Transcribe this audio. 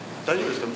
大丈夫。